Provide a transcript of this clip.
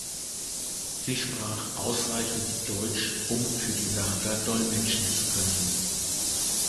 Sie sprach ausreichend Deutsch, um für die Wärter dolmetschen zu können.